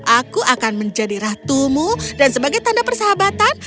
aku akan menjadi ratumu dan sebagai tanda persahabatan